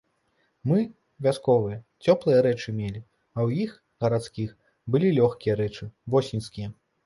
Мы, вясковыя, цёплыя рэчы мелі, а ў іх, гарадскіх, былі лёгкія рэчы, восеньскія.